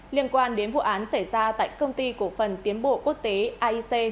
liên quan đến vụ án xảy ra tại công ty cổ phần tiến bộ quốc tế aic